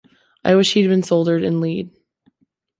I wish he’d been soldered in lead.